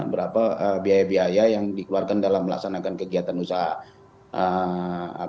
berapa biaya biaya yang dikeluarkan dalam melaksanakan kegiatan usaha